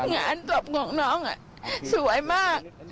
งานศพของน้องสวยมาก